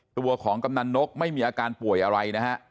ตัวของกำนันนกไม่มีอาการป่วยอะไรนะฮะ